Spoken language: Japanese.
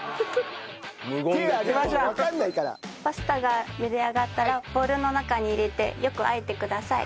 パスタが茹で上がったらボウルの中に入れてよくあえてください。